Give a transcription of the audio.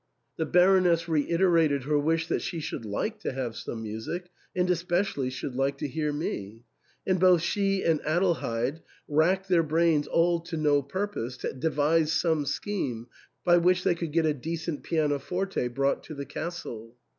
The Baroness reiterated her wish that she should like to have some music, and especially should like to hear me ; and both she and Adelheid racked their brains all to no purpose to devise some scheme by which they could get a decent pianoforte brought to the Castle.